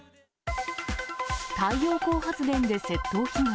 太陽光発電で窃盗被害。